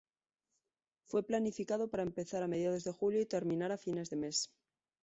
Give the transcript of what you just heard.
Fue planificado para empezar a mediados de julio y terminar a fines de mes.